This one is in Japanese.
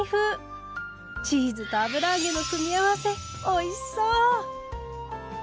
チーズと油揚げの組み合わせおいしそう！